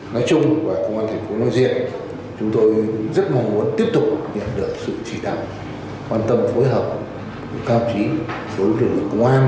nói chung công an thành phố nội diện chúng tôi rất mong muốn tiếp tục nhận được sự chỉ đạo quan tâm phối hợp của công chí đối với lực lượng công an